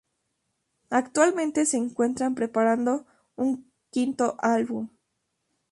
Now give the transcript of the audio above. Actualmente se encuentran preparando su quinto album.